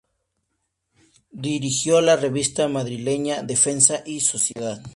Dirigió la revista madrileña "Defensa y Sociedad".